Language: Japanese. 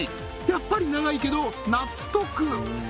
やっぱり長いけど納得！